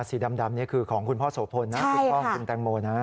สีดำนี่คือของคุณพ่อโสพลนะคุณตังโมนะ